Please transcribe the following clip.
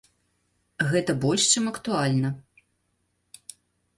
Гэта больш чым актуальна.